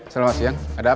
selamat siang ada apa